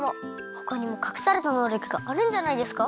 ほかにもかくされたのうりょくがあるんじゃないですか？